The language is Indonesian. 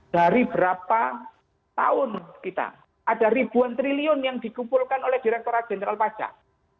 dari berapa tahun kita ada ribuan triliun yang dikumpulkan oleh direkturat jenderal pajak